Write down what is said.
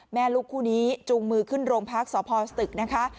แม่ลูกคู่นี้จูงมือขึ้นโรงพักสพสตึกนะคะ